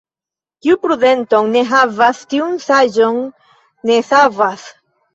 Kiu prudenton ne havas, tiun saĝo ne savas.